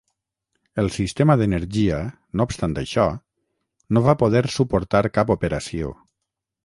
El sistema d'energia, no obstant això, no va poder suportar cap operació.